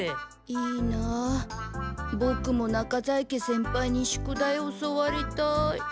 いいなあボクも中在家先輩に宿題教わりたい。